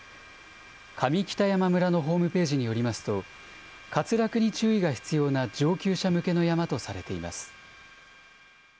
上北山村のホームページによりますと、滑落に注意が必要な上級者向けの山とされています。